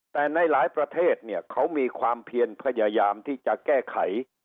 แต่ในหลายประเทศเนี่ยเขามีความเพียนพยายามที่จะแก้ไข